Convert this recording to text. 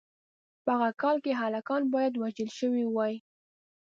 په هغه کال کې هلکان باید وژل شوي وای.